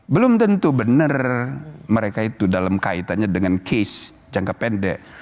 belum tentu benar mereka itu dalam kaitannya dengan case jangka pendek